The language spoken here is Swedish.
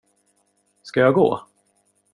Ska jag gå?